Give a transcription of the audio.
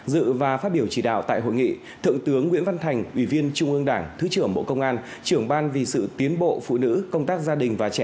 dự và phát biểu chỉ đạo tại hội nghị thượng tướng nguyễn văn thành ủy viên trung ương đảng thứ trưởng bộ công an